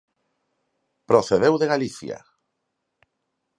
Procedeu de Galicia.